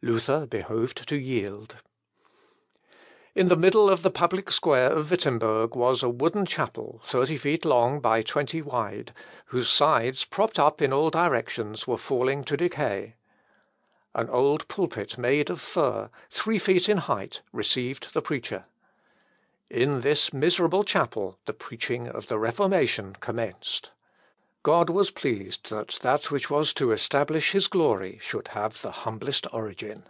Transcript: Luther behoved to yield. Fabricius, Centifol. Lutheri, p. 33. Mathesius, p. 6. In the middle of the public square of Wittemberg was a wooden chapel, thirty feet long by twenty wide, whose sides, propped up in all directions, were falling to decay. An old pulpit made of fir, three feet in height, received the preacher. In this miserable chapel the preaching of the Reformation commenced. God was pleased that that which was to establish his glory should have the humblest origin.